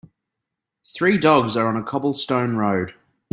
Three dogs are on a cobblestone road.